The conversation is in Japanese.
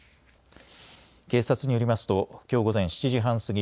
警察によりますときょう午前７時半過ぎ